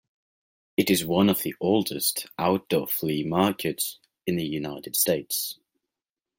It is one of the oldest outdoor flea markets in the United States.